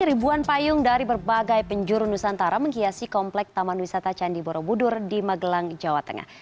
ribuan payung dari berbagai penjuru nusantara menghiasi komplek taman wisata candi borobudur di magelang jawa tengah